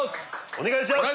お願いします！